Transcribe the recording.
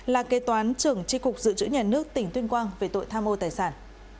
là kế toán trưởng tri cục dự trữ nhà nước tỉnh tuyên quang về tội tham ô tài sản